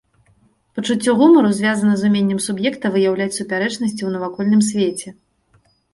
Пачуццё гумару звязана з уменнем суб'екта выяўляць супярэчнасці ў навакольным свеце.